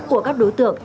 của các đối tượng